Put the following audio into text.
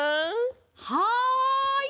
はい！